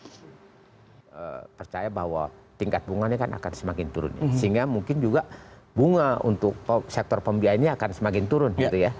saya percaya bahwa tingkat bunganya akan semakin turun sehingga mungkin juga bunga untuk sektor pembiayaan ini akan semakin turun